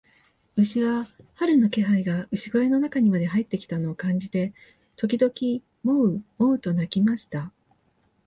牛は、春の気配が牛小屋の中にまで入ってきたのを感じて、時々モウ、モウと鳴きました。